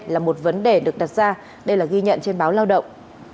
là một vấn đề được đặt ra đây là ghi nhận trên báo lao động